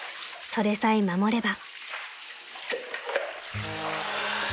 ［それさえ守れば］